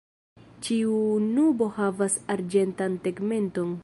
Ĉiu nubo havas arĝentan tegmenton.